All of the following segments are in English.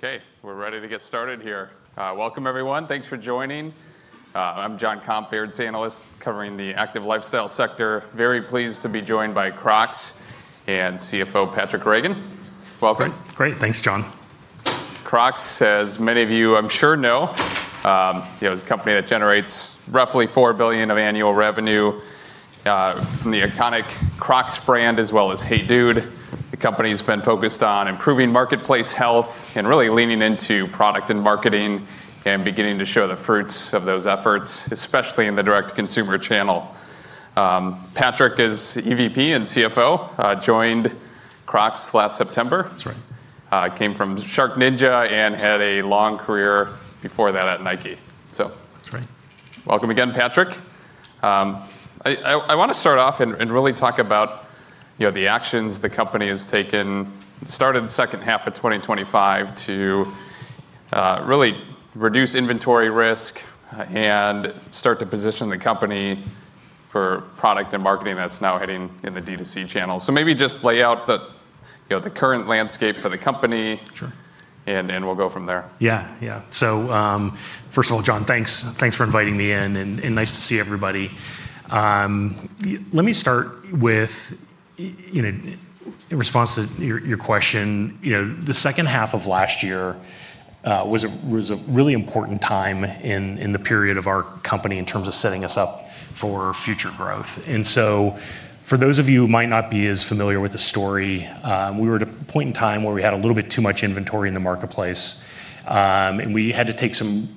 Okay, we're ready to get started here. Welcome, everyone. Thanks for joining. I'm Jon Komp, Baird's analyst covering the active lifestyle sector. Very pleased to be joined by Crocs and CFO, Patraic Reagan. Welcome. Great. Thanks, Jon. Crocs, as many of you I'm sure know, is a company that generates roughly $4 billion of annual revenue from the iconic Crocs brand as well as HEYDUDE. The company's been focused on improving marketplace health and really leaning into product and marketing and beginning to show the fruits of those efforts, especially in the direct-to-consumer channel. Patraic is EVP and CFO, joined Crocs last September. That's right. Came from SharkNinja and had a long career before that at Nike. That's right. Welcome again, Patraic. I want to start off and really talk about the actions the company has taken starting the second half of 2025 to really reduce inventory risk and start to position the company for product and marketing that's now hitting in the D2C channel. Maybe just lay out the current landscape for the company. Sure. We'll go from there. Yeah. First of all, Jon, thanks for inviting me in and nice to see everybody. Let me start with, in response to your question, the second half of last year was a really important time in the period of our company in terms of setting us up for future growth. For those of you who might not be as familiar with the story, we were at a point in time where we had a little bit too much inventory in the marketplace, and we had to take some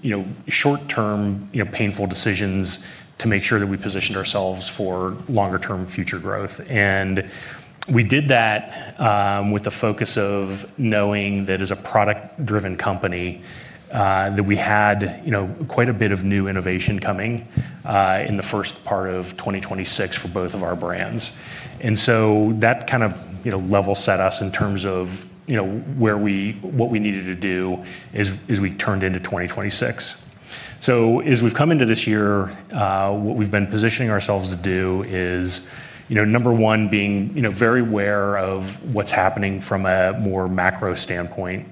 short-term, painful decisions to make sure that we positioned ourselves for longer-term future growth. We did that with the focus of knowing that as a product-driven company, that we had quite a bit of new innovation coming in the first part of 2026 for both of our brands. That kind of level set us in terms of what we needed to do as we turned into 2026. As we've come into this year, what we've been positioning ourselves to do is, number one, being very aware of what's happening from a more macro standpoint.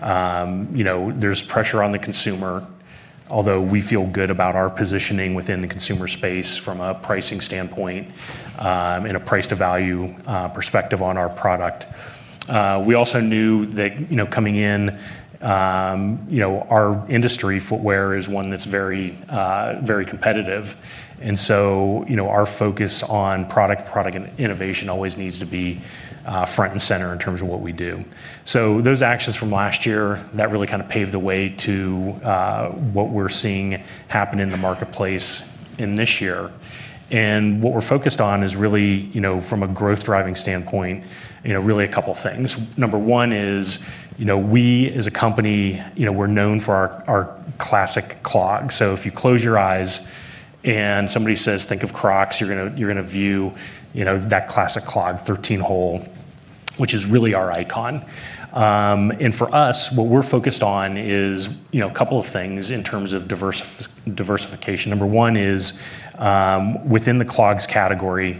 There's pressure on the consumer, although we feel good about our positioning within the consumer space from a pricing standpoint, and a price to value perspective on our product. We also knew that coming in, our industry, footwear, is one that's very competitive, and so our focus on product and innovation always needs to be front and center in terms of what we do. Those actions from last year, that really kind of paved the way to what we're seeing happen in the marketplace in this year. What we're focused on is really, from a growth-driving standpoint, really a couple things. Number one is, we, as a company, we're known for our Classic Clog. If you close your eyes and somebody says, "Think of Crocs," you're going to view that Classic Clog, 13 hole, which is really our icon. For us, what we're focused on is a couple of things in terms of diversification. Number one is, within the clogs category,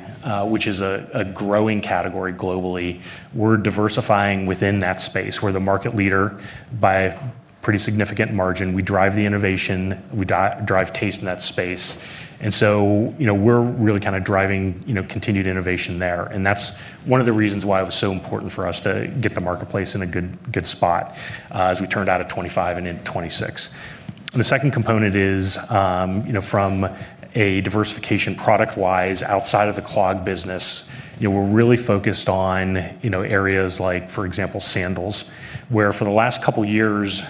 which is a growing category globally, we're diversifying within that space. We're the market leader by a pretty significant margin. We drive the innovation. We drive taste in that space. We're really kind of driving continued innovation there. That's one of the reasons why it was so important for us to get the marketplace in a good spot as we turned out at 2025 and into 2026. The second component is, from a diversification product-wise, outside of the clog business, we're really focused on areas like, for example, sandals, where for the last couple of years,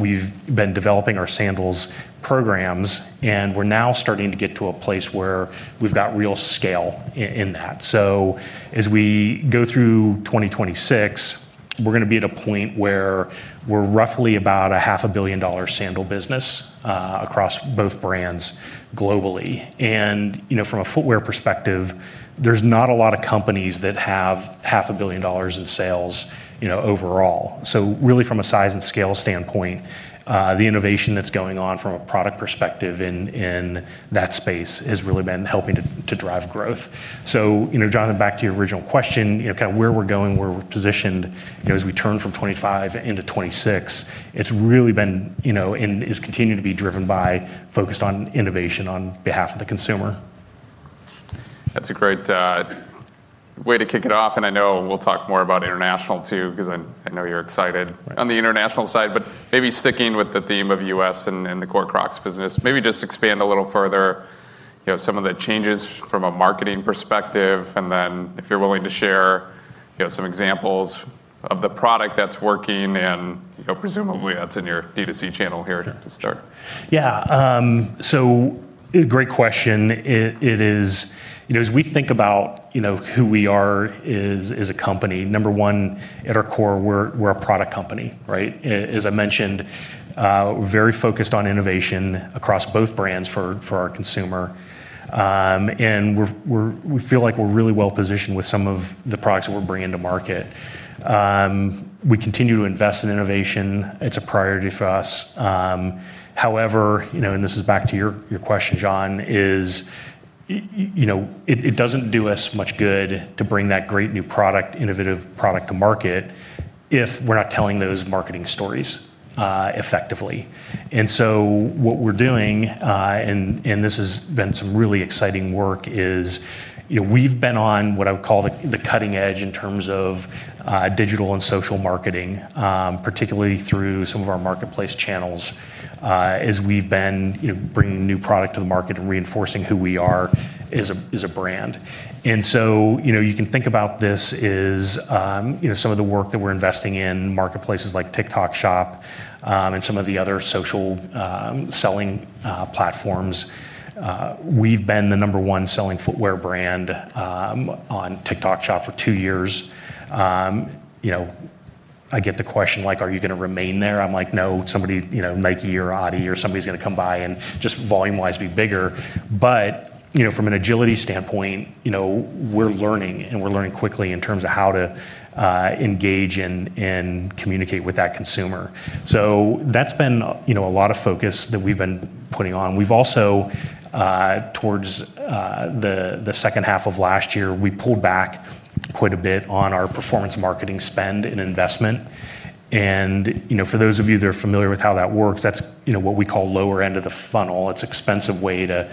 we've been developing our sandals programs, and we're now starting to get to a place where we've got real scale in that. As we go through 2026, we're going to be at a point where we're roughly about a half a billion dollar sandal business across both brands globally. From a footwear perspective, there's not a lot of companies that have half a billion dollars in sales overall. Really from a size and scale standpoint, the innovation that's going on from a product perspective in that space has really been helping to drive growth. Jon, back to your original question, where we're going, where we're positioned as we turn from 2025 into 2026, it's continued to be driven by focused on innovation on behalf of the consumer. That's a great way to kick it off, and I know we'll talk more about international too, because I know you're excited on the international side, but maybe sticking with the theme of U.S. and the core Crocs business, maybe just expand a little further some of the changes from a marketing perspective, and then if you're willing to share some examples of the product that's working, and presumably that's in your D2C channel here to start. Great question. As we think about who we are as a company, number one, at our core, we're a product company, right? As I mentioned, we're very focused on innovation across both brands for our consumer. We feel like we're really well-positioned with some of the products that we're bringing to market. We continue to invest in innovation. It's a priority for us. However, and this is back to your question, Jon, it doesn't do us much good to bring that great new innovative product to market if we're not telling those marketing stories effectively. What we're doing, and this has been some really exciting work, is we've been on what I would call the cutting edge in terms of digital and social marketing, particularly through some of our marketplace channels as we've been bringing new product to the market and reinforcing who we are as a brand. You can think about this is some of the work that we're investing in, marketplaces like TikTok Shop, and some of the other social selling platforms. We've been the number one selling footwear brand on TikTok Shop for two years. I get the question, "Are you going to remain there?" I'm like, "No, Nike or Adi or somebody's going to come by and just volume-wise be bigger." From an agility standpoint, we're learning, and we're learning quickly in terms of how to engage and communicate with that consumer. That's been a lot of focus that we've been putting on. We've also, towards the second half of last year, we pulled back quite a bit on our performance marketing spend and investment. For those of you that are familiar with how that works, that's what we call lower end of the funnel. It's expensive way to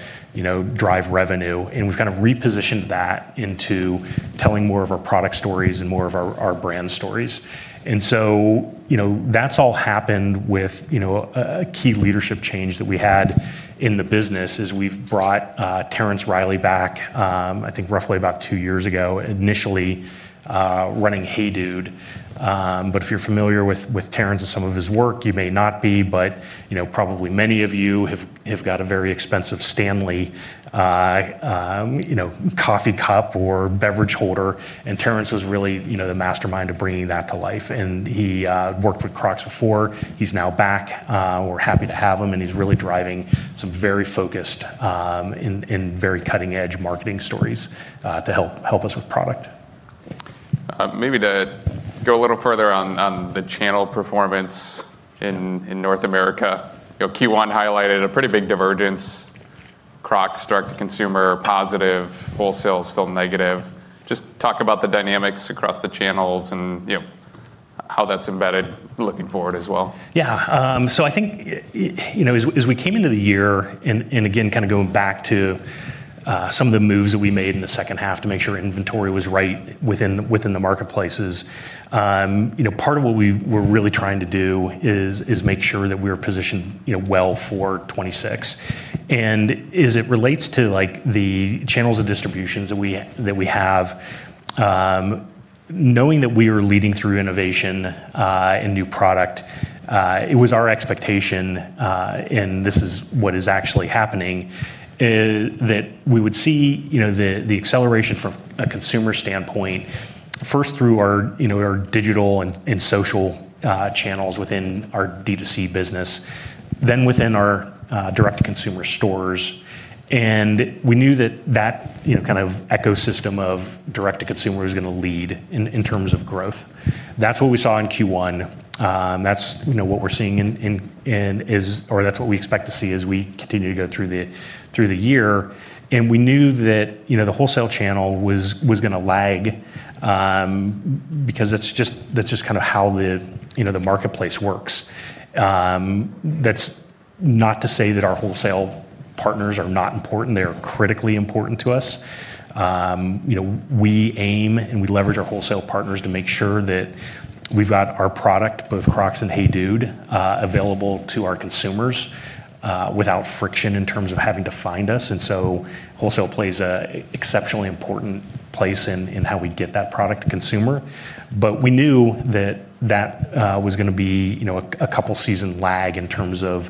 drive revenue, we've kind of repositioned that into telling more of our product stories and more of our brand stories. That's all happened with a key leadership change that we had in the business is we've brought Terence Reilly back, I think roughly about two years ago, initially, running HEYDUDE. If you're familiar with Terence and some of his work, you may not be, but probably many of you have got a very expensive Stanley coffee cup or beverage holder, and Terence was really the mastermind of bringing that to life. He worked with Crocs before. He's now back. We're happy to have him, and he's really driving some very focused, and very cutting-edge marketing stories to help us with product. Maybe to go a little further on the channel performance in North America. Q1 highlighted a pretty big divergence. Crocs direct-to-consumer positive, wholesale is still negative. Just talk about the dynamics across the channels and how that's embedded looking forward as well? Yeah. I think as we came into the year, again, going back to some of the moves that we made in the second half to make sure inventory was right within the marketplaces, part of what we were really trying to do is make sure that we're positioned well for 2026. As it relates to the channels of distributions that we have, knowing that we are leading through innovation and new product, it was our expectation, and this is what is actually happening, that we would see the acceleration from a consumer standpoint first through our digital and social channels within our D2C business, then within our direct-to-consumer stores. We knew that that kind of ecosystem of direct-to-consumer was going to lead in terms of growth. That's what we saw in Q1. That's what we're seeing, or that's what we expect to see as we continue to go through the year. We knew that the wholesale channel was going to lag, because that's just how the marketplace works. That's not to say that our wholesale partners are not important. They are critically important to us. We aim, and we leverage our wholesale partners to make sure that we've got our product, both Crocs and HEYDUDE, available to our consumers without friction in terms of having to find us. Wholesale plays a exceptionally important place in how we get that product to consumer. We knew that that was going to be a couple season lag in terms of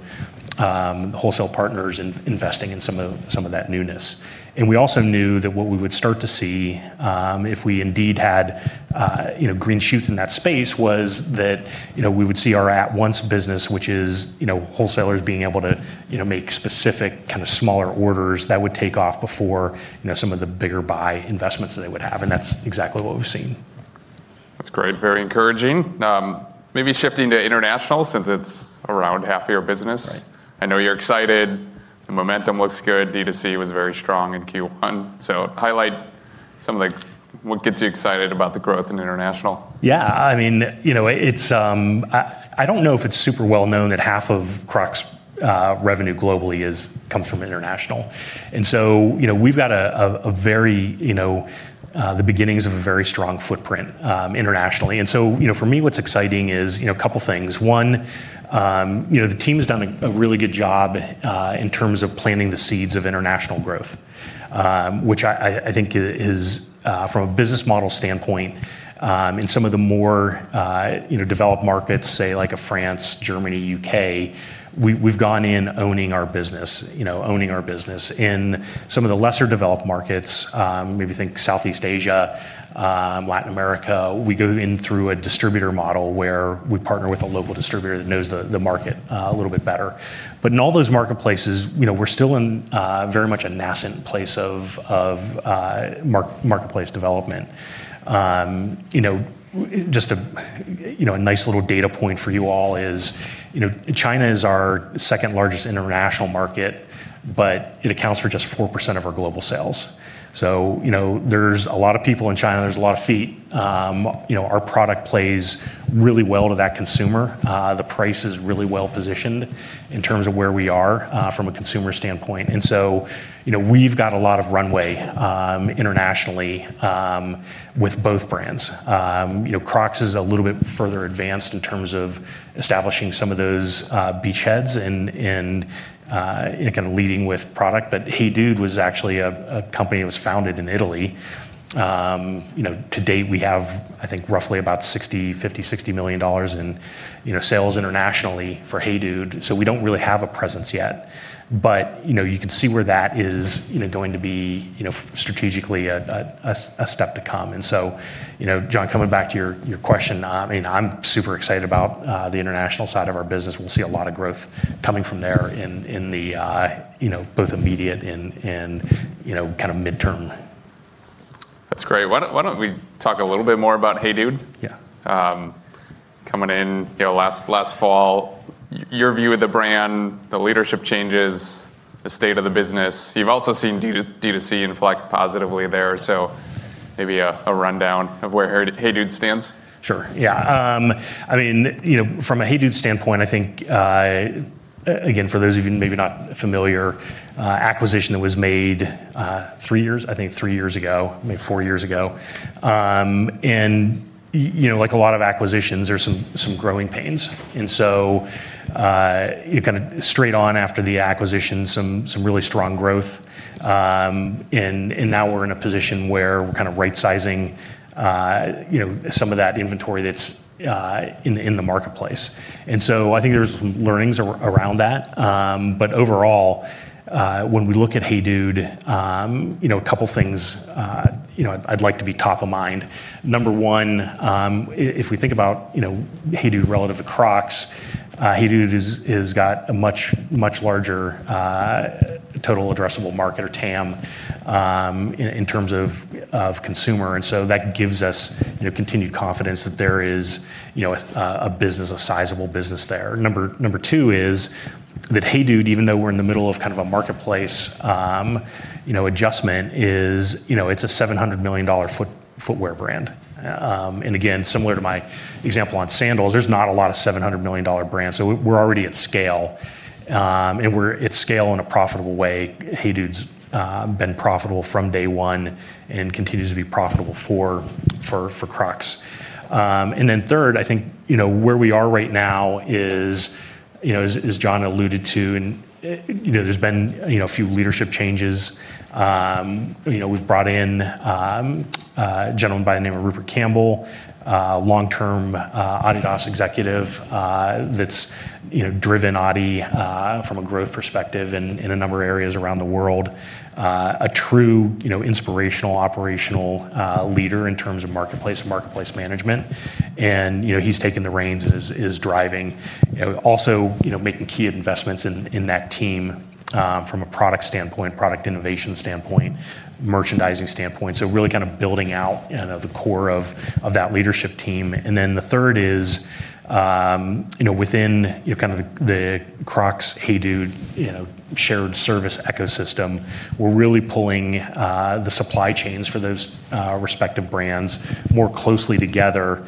wholesale partners investing in some of that newness. We also knew that what we would start to see if we indeed had green shoots in that space was that we would see our at-once business, which is wholesalers being able to make specific smaller orders that would take off before some of the bigger buy investments that they would have, and that's exactly what we've seen. That's great. Very encouraging. Maybe shifting to international since it's around half of your business. Right. I know you're excited. The momentum looks good. D2C was very strong in Q1. Highlight some what gets you excited about the growth in international? Yeah. I don't know if it's super well-known that half of Crocs' revenue globally comes from international. We've got the beginnings of a very strong footprint internationally. For me, what's exciting is a couple of things. One, the team has done a really good job in terms of planting the seeds of international growth, which I think is, from a business model standpoint, in some of the more developed markets, say, like a France, Germany, U.K., we've gone in owning our business. In some of the lesser developed markets, maybe think Southeast Asia, Latin America, we go in through a distributor model where we partner with a local distributor that knows the market a little bit better. In all those marketplaces, we're still in very much a nascent place of marketplace development. Just a nice little data point for you all is, China is our second-largest international market, but it accounts for just 4% of our global sales. There's a lot of people in China, there's a lot of feet. Our product plays really well to that consumer. The price is really well-positioned in terms of where we are from a consumer standpoint. We've got a lot of runway internationally with both brands. Crocs is a little bit further advanced in terms of establishing some of those beachheads and kind of leading with product. HEYDUDE was actually a company that was founded in Italy. To date, we have, I think, roughly about $50 million, $60 million in sales internationally for HEYDUDE. We don't really have a presence yet. You can see where that is going to be strategically a step to come. Jon, coming back to your question, I'm super excited about the international side of our business. We'll see a lot of growth coming from there in both the immediate and kind of midterm. That's great. Why don't we talk a little bit more about HEYDUDE? Yeah. Coming in last fall, your view of the brand, the leadership changes, the state of the business. You've also seen D2C inflect positively there, maybe a rundown of where HEYDUDE stands. Sure. Yeah. From a HEYDUDE standpoint, I think, again, for those of you maybe not familiar, acquisition that was made three years, I think three years ago, maybe four years ago. Like a lot of acquisitions, there's some growing pains. You kind of straight on after the acquisition, some really strong growth. Now we're in a position where we're kind of right-sizing some of that inventory that's in the marketplace. I think there's learnings around that. Overall, when we look at HEYDUDE, a couple things I'd like to be top of mind. Number one, if we think about HEYDUDE relative to Crocs, HEYDUDE has got a much larger total addressable market, or TAM, in terms of consumer, and so that gives us continued confidence that there is a sizable business there. Number two is that HEYDUDE, even though we're in the middle of kind of a marketplace adjustment, it's a $700 million footwear brand. Again, similar to my example on sandals, there's not a lot of $700 million brands, so we're already at scale. And we're at scale in a profitable way. HEYDUDE's been profitable from day one and continues to be profitable for Crocs. Then third, I think, where we are right now is, as Jon alluded to, and there's been a few leadership changes. We've brought in a gentleman by the name of Rupert Campbell, a long-term Adidas executive that's driven Adi from a growth perspective in a number of areas around the world. A true inspirational operational leader in terms of marketplace and marketplace management. He's taken the reins and is driving, also making key investments in that team from a product standpoint, product innovation standpoint, merchandising standpoint, so really kind of building out the core of that leadership team. The third is, within kind of the Crocs HEYDUDE shared service ecosystem, we're really pulling the supply chains for those respective brands more closely together,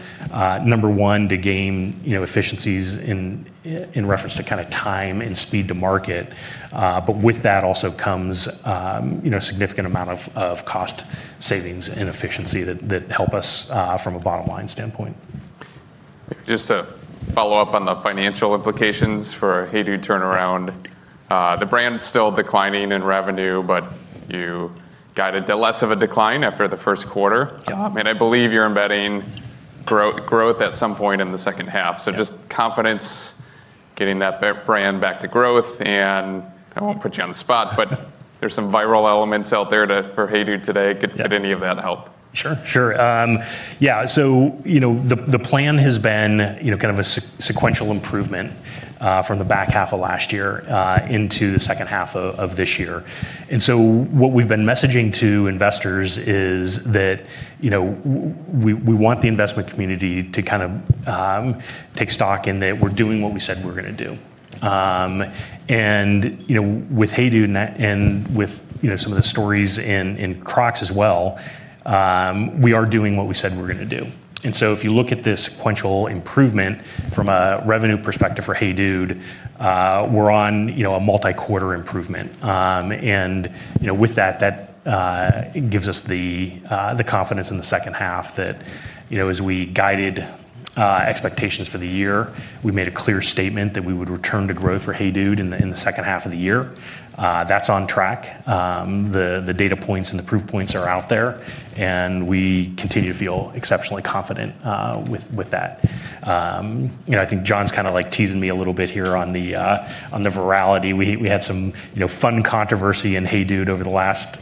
number one, to gain efficiencies in reference to time and speed to market. With that also comes a significant amount of cost savings and efficiency that help us from a bottom-line standpoint. Just to follow up on the financial implications for HEYDUDE turnaround. The brand's still declining in revenue, but you guided less of a decline after the first quarter. Yeah. I believe you're embedding growth at some point in the second half. Yeah. Just confidence getting that brand back to growth, and I won't put you on the spot, but there's some viral elements out there for HEYDUDE today. Yeah. Any of that help? Sure. Yeah, the plan has been kind of a sequential improvement from the back half of last year into the second half of this year. What we've been messaging to investors is that we want the investment community to kind of take stock in that we're doing what we said we're going to do. With HEYDUDE and with some of the stories in Crocs as well, we are doing what we said we're going to do. If you look at the sequential improvement from a revenue perspective for HEYDUDE, we're on a multi-quarter improvement. With that gives us the confidence in the second half that as we guided expectations for the year. We made a clear statement that we would return to growth for HEYDUDE in the second half of the year. That's on track. The data points and the proof points are out there. We continue to feel exceptionally confident with that. I think Jon's kind of teasing me a little bit here on the virality. We had some fun controversy in HEYDUDE over the last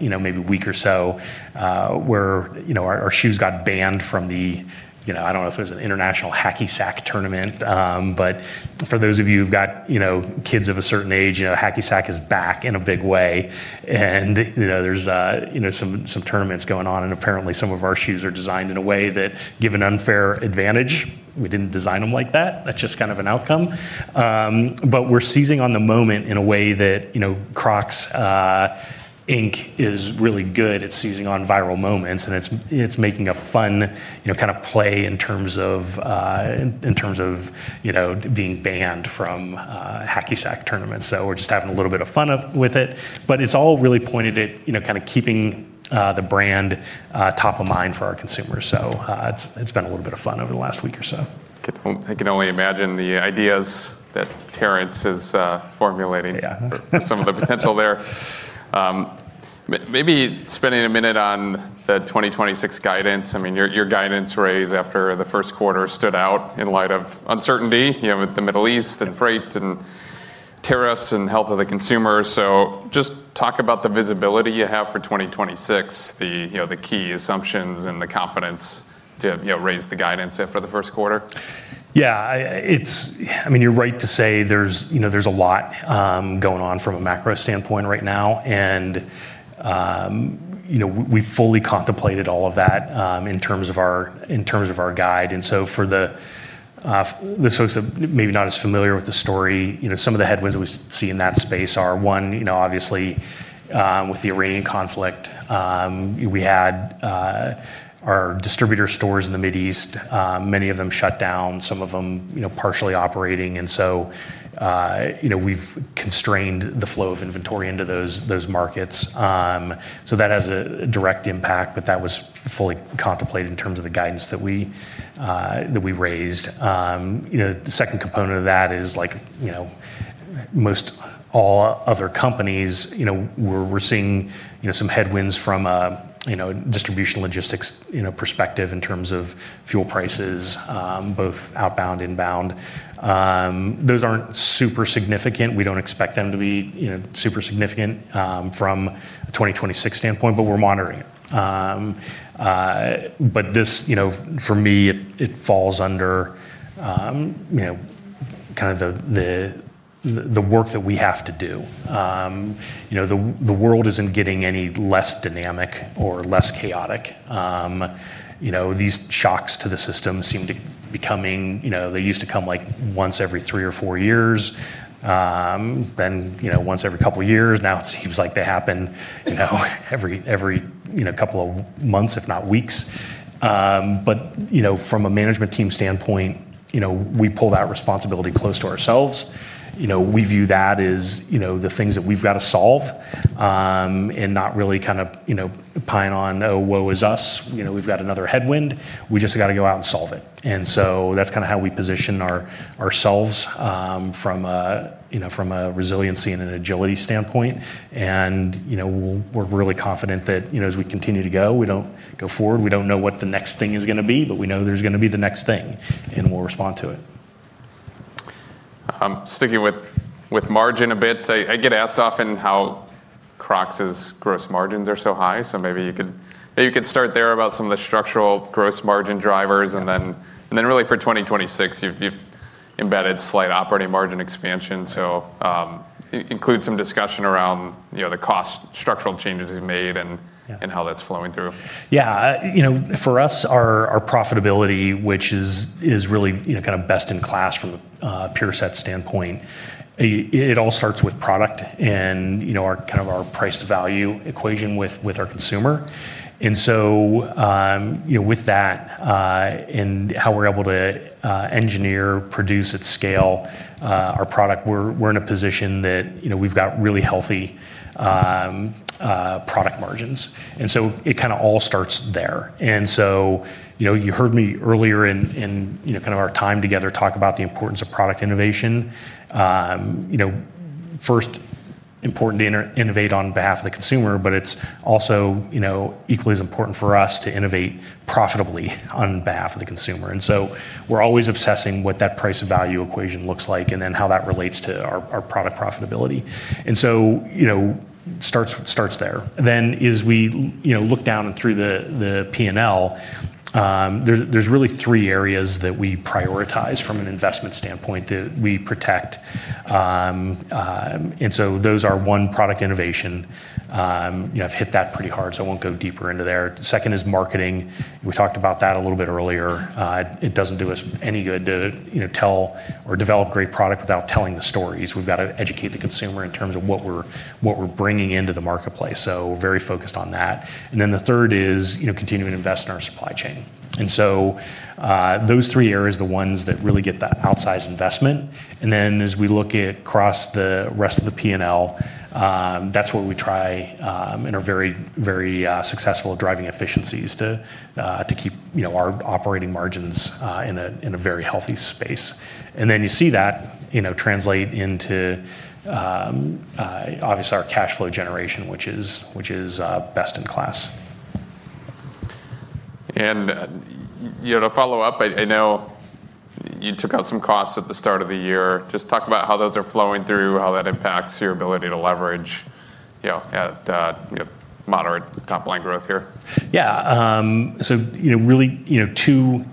maybe week or so, where our shoes got banned from the, I don't know if it was an international hacky sack tournament. For those of you who've got kids of a certain age, hacky sack is back in a big way. There's some tournaments going on, and apparently, some of our shoes are designed in a way that give an unfair advantage. We didn't design them like that's just kind of an outcome. We're seizing on the moment in a way that Crocs, Inc. is really good at seizing on viral moments, and it's making a fun kind of play in terms of being banned from hacky sack tournaments. We're just having a little bit of fun with it. It's all really pointed at keeping the brand top of mind for our consumers. It's been a little bit of fun over the last week or so. I can only imagine the ideas that Terence Reilly is formulating- Yeah. for some of the potential there. Maybe spending a minute on the 2026 guidance. Your guidance raise after the first quarter stood out in light of uncertainty, with the Middle East and freight and tariffs and health of the consumer. Just talk about the visibility you have for 2026, the key assumptions, and the confidence to raise the guidance after the first quarter. Yeah. You're right to say there's a lot going on from a macro standpoint right now. We fully contemplated all of that in terms of our guide. For those maybe not as familiar with the story, some of the headwinds we see in that space are, one, obviously, with the Iranian conflict. We had our distributor stores in the Mid East, many of them shut down, some of them partially operating. We've constrained the flow of inventory into those markets. That has a direct impact, but that was fully contemplated in terms of the guidance that we raised. The second component of that is most all other companies, we're seeing some headwinds from a distribution logistics perspective in terms of fuel prices, both outbound, inbound. Those aren't super significant. We don't expect them to be super significant from a 2026 standpoint, but we're monitoring it. This, for me, it falls under kind of the work that we have to do. The world isn't getting any less dynamic or less chaotic. These shocks to the system seem to be coming, they used to come once every three or four years. Once every couple of years. Now it seems like they happen every couple of months, if not weeks. From a management team standpoint, we pull that responsibility close to ourselves. We view that as the things that we've got to solve, and not really kind of pine on, "Oh, woe is us. We've got another headwind." We've just got to go out and solve it. That's kind of how we position ourselves from a resiliency and an agility standpoint. We're really confident that as we continue to go, we don't go forward, we don't know what the next thing is going to be, but we know there's going to be the next thing, and we'll respond to it. Sticking with margin a bit. I get asked often how Crocs' gross margins are so high, so maybe you could start there about some of the structural gross margin drivers and then really for 2026, you've embedded slight operating margin expansion. Include some discussion around the cost structural changes you've made. Yeah. How that's flowing through. Yeah. For us, our profitability, which is really kind of best in class from a peer set standpoint, it all starts with product and our price to value equation with our consumer. With that and how we're able to engineer, produce at scale our product, we're in a position that we've got really healthy product margins. It kind of all starts there. You heard me earlier in our time together talk about the importance of product innovation. First, important to innovate on behalf of the consumer, but it's also equally as important for us to innovate profitably on behalf of the consumer. We're always obsessing what that price of value equation looks like, and then how that relates to our product profitability. It starts there. As we look down and through the P&L, there's really three areas that we prioritize from an investment standpoint that we protect. Those are one, product innovation. I've hit that pretty hard, so I won't go deeper into there. The second is marketing. We talked about that a little bit earlier. It doesn't do us any good to tell or develop great product without telling the stories. We've got to educate the consumer in terms of what we're bringing into the marketplace. Very focused on that. The third is continuing to invest in our supply chain. Those three areas are the ones that really get that outsized investment. As we look across the rest of the P&L, that's where we try and are very successful at driving efficiencies to keep our operating margins in a very healthy space. You see that translate into, obviously, our cash flow generation, which is best in class. To follow up, I know you took out some costs at the start of the year. Just talk about how those are flowing through, how that impacts your ability to leverage at moderate top-line growth here. Yeah. Really, two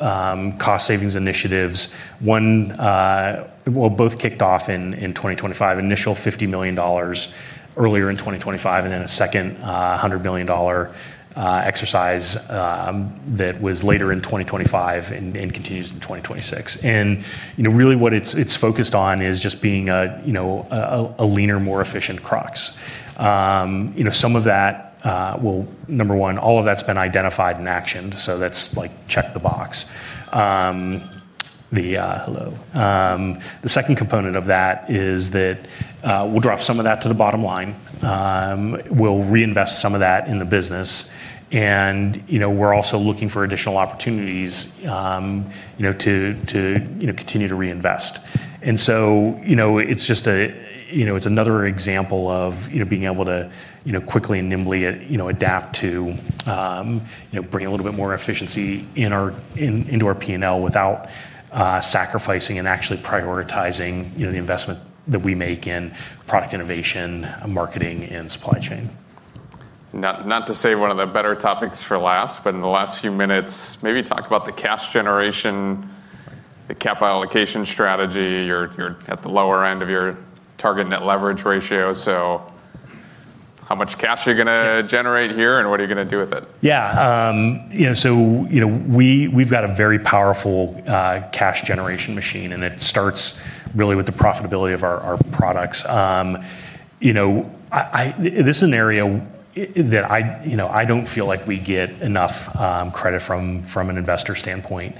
cost-savings initiatives. Well, both kicked off in 2025. Initial $50 million earlier in 2025, and then a second $100 million exercise that was later in 2025 and continues in 2026. Really what it's focused on is just being a leaner, more efficient Crocs. Number one, all of that's been identified and actioned, so that's check the box. The second component of that is that we'll drop some of that to the bottom line. We'll reinvest some of that in the business, and we're also looking for additional opportunities to continue to reinvest. So it's another example of being able to quickly and nimbly adapt to bring a little bit more efficiency into our P&L without sacrificing and actually prioritizing the investment that we make in product innovation, marketing, and supply chain. Not to save one of the better topics for last, but in the last few minutes, maybe talk about the cash generation, the capital allocation strategy. You're at the lower end of your target net leverage ratio, so how much cash are you going to generate here, and what are you going to do with it? Yeah. We've got a very powerful cash generation machine, and it starts really with the profitability of our products. This is an area that I don't feel like we get enough credit from an investor standpoint.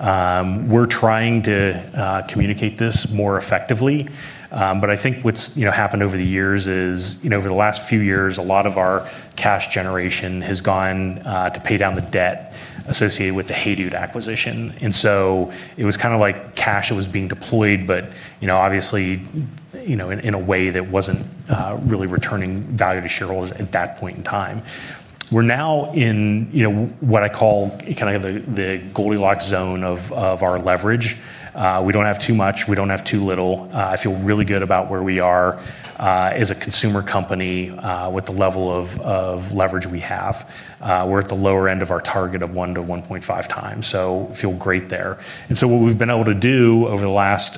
We're trying to communicate this more effectively. I think what's happened over the years is, over the last few years, a lot of our cash generation has gone to pay down the debt associated with the HEYDUDE acquisition. It was kind of like cash that was being deployed, but obviously, in a way that wasn't really returning value to shareholders at that point in time. We're now in what I call kind of the Goldilocks zone of our leverage. We don't have too much, we don't have too little. I feel really good about where we are as a consumer company with the level of leverage we have. We're at the lower end of our target of 1-1.5x, so feel great there. What we've been able to do over the last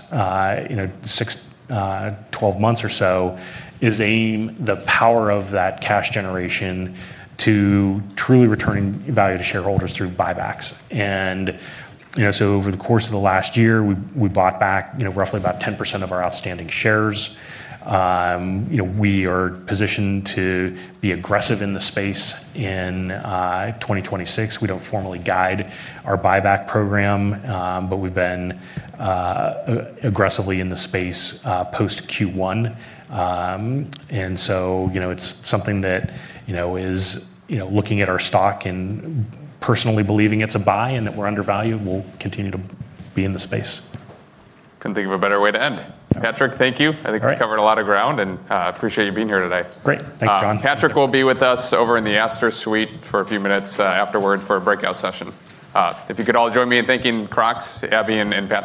six, 12 months or so is aim the power of that cash generation to truly returning value to shareholders through buybacks. Over the course of the last year, we bought back roughly about 10% of our outstanding shares. We are positioned to be aggressive in the space in 2026. We don't formally guide our buyback program, but we've been aggressively in the space post Q1. It's something that is looking at our stock and personally believing it's a buy and that we're undervalued, we'll continue to be in the space. Couldn't think of a better way to end. Okay. Patraic, thank you. All right. I think we covered a lot of ground, and I appreciate you being here today. Great. Thanks, Jon. Patraic will be with us over in the Astor Suite for a few minutes afterward for a breakout session. If you could all join me in thanking Crocs, Abby, and Patraic.